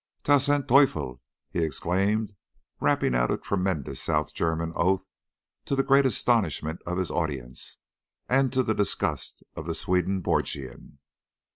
"Tausend Teufel!" he exclaimed, rapping out a tremendous South German oath, to the great astonishment of his audience and to the disgust of the Swedenborgian.